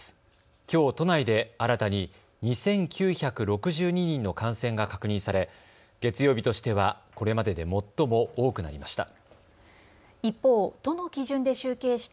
きょう都内で新たに２９６２人の感染が確認され月曜日としてはこれまでで最も多くなりました。